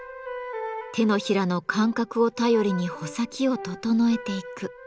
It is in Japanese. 手のひらの感覚を頼りに穂先を整えていく。